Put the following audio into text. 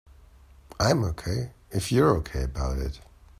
I'm OK if you're OK about it.